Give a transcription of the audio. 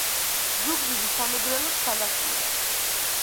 ზუგდიდი სამეგრელოს ქალაქია